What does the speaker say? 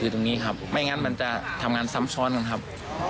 ตรงนี้ครับไม่งั้นมันจะทำงานซ้ำซ้อนกันครับ